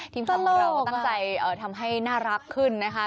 ทีมข่าวของเราก็ตั้งใจทำให้น่ารักขึ้นนะคะ